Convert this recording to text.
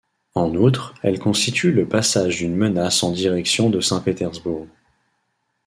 En outre elle constitue le passage d'une menace en direction de Saint-Pétersbourg.